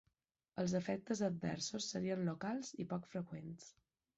Els efectes adversos serien locals i poc freqüents.